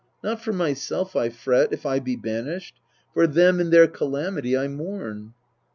Not for myself I fret, if I be banished : For them in their calamity I mourn.